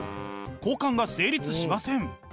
交換が成立しません。